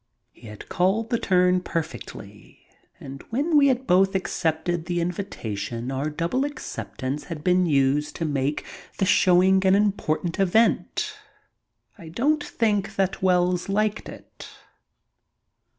He had called the turn perfectly, and when we had both accepted the invitation our double acceptance had been used to make the showing an important event. I don't think that Wells liked it.